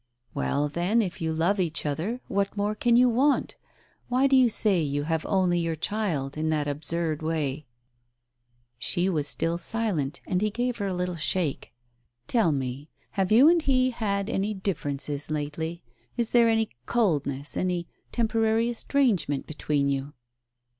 "Well, then, if you love each other, what more can you want ? Why do you say you have only your child in that absurd way ?" She was still silent, and he gave her a little shake. " Tell me, have you and he had any difference lately ? Is there any — coldness — any — temporary estrangement between you